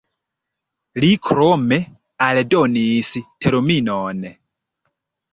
Li krome aldonis terminon.